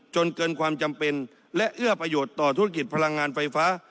จนเกินความจำเป็นและเอื้อประโยชน์ต่อธุรกิจพลังงานไฟฟ้า